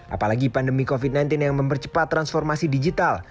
apalagi pandemi covid sembilan belas yang mempercepat transformasi digital